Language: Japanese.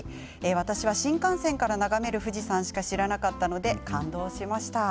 私は新幹線から眺める富士山しか知らなかったので感動しました。